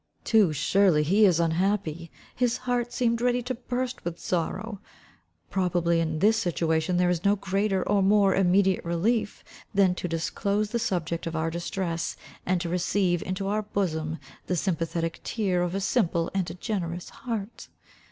Too surely he is unhappy. His heart seemed ready to burst with sorrow. Probably in this situation there is no greater or more immediate relief, than to disclose the subject of our distress, and to receive into our bosom the sympathetic tear of a simple and a generous heart.